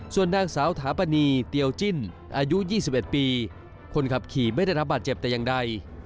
ส่วนนางสาวถาปณีเตียวจิ้นอายุ๒๑ปีคนขับขี่ไม่ได้รับบาดเจ็บแต่อย่างใด